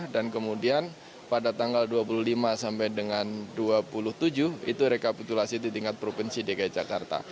dan kemudian pada tanggal dua puluh lima sampai dengan dua puluh tujuh itu rekapitulasi di tingkat provinsi dki jakarta